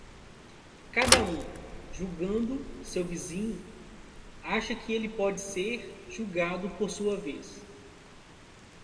Cada um, julgando seu vizinho, acha que ele pode ser julgado por sua vez.